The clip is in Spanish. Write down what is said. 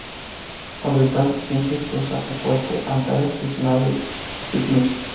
Orbital Sciences usará su cohete Antares y su nave Cygnus.